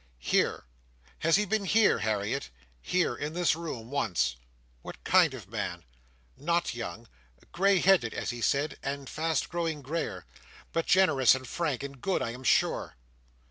"Here! Has he been here, Harriet?" "Here, in this room. Once." "What kind of man?" "Not young. 'Grey headed,' as he said, 'and fast growing greyer.' But generous, and frank, and good, I am sure."